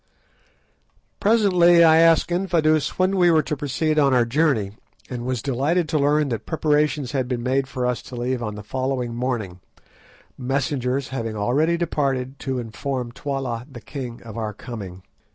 Presently I asked Infadoos when we were to proceed on our journey, and was delighted to learn that preparations had been made for us to leave on the following morning, messengers having already departed to inform Twala the king of our coming.